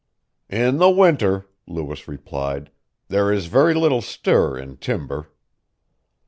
"In the winter," Lewis replied, "there is very little stir in timber."